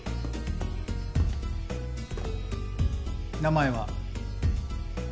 名前は？